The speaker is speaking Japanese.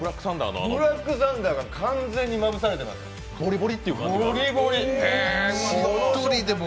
ブラックサンダーが完全にまぶされてます、ゴリゴリ。